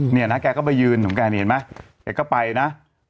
เนี่ยนะแกก็ไปยืนเห็นไหมแกก็ไปนะ